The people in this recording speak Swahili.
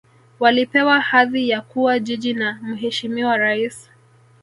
walipewa hadhi ya kuwa jiji na mheshimiwa rais